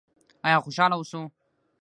آیا خوشحاله اوسو؟